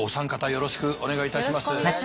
よろしくお願いします。